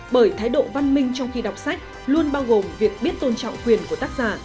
bởi thái độ văn minh trong khi đọc sách luôn bao gồm việc biết tôn trọng quyền của tác giả